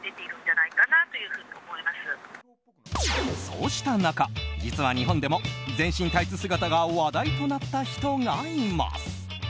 そうした中、実は日本でも全身タイツ姿が話題となった人がいます。